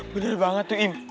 benar banget tuh im